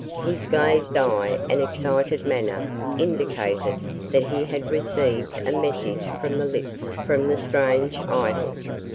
His glazed eye and excited manner indicated that he had received a message from the lips of the strange idol.